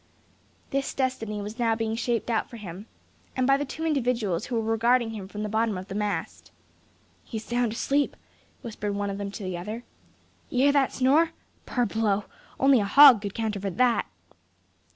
This destiny was now being shaped out for him; and by the two individuals who were regarding him from the bottom of the mast. "He's sound asleep," whispered one of them to the other. "You hear that snore? Parbleu! only a hog could counterfeit that."